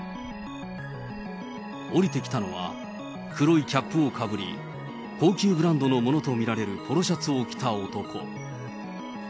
降りてきたのは、黒いキャップをかぶり、高級ブランドのものと見られるポロシャツを着た男。